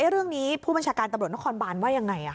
เรื่องนี้ผู้บัญชาการตำรวจนครบานว่ายังไง